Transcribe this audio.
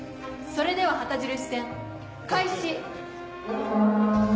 それでは旗印戦開始。